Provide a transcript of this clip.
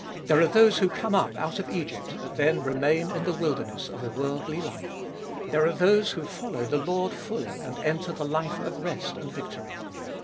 There are those who come up out of Egypt, but then remain in the wilderness of a worldly life ; there are those who follow the Lord fully, and enter the life of rest and victory.